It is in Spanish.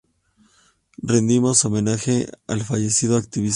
rendimos homenaje al fallecido activista